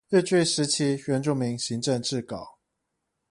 日據時期原住民行政志稿